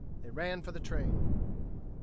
They ran for the train.